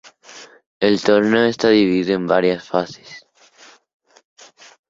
El torneo esta dividido en varias fases.